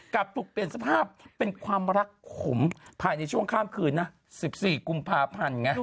กลับถูกเปลี่ยนสภาพเป็นความรักขมภายในช่วงข้ามคืนนะ๑๔กุมภาพันธ์ไง